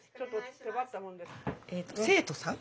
生徒さん？